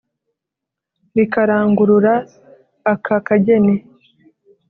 Rikarangurura aka kageni